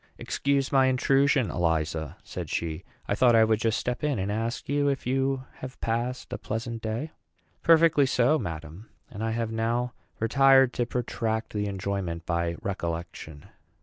"Excuse my intrusion, Eliza," said she. "I thought I would just step in and ask you if you have passed a pleasant day." "Perfectly so, madam; and I have now retired to protract the enjoyment by recollection."